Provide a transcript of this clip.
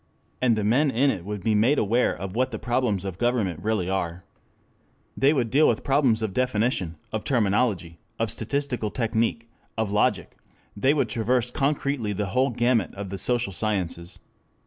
And the men in it would be made aware of what the problems of government really are. They would deal with problems of definition, of terminology, of statistical technic, of logic; they would traverse concretely the whole gamut of the social sciences.